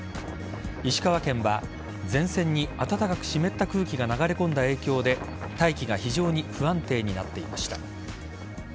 石川県は前線に暖かく湿った空気が流れ込んだ影響で大気が非常に不安定になっていました。